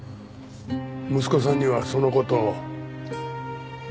息子さんにはその事を。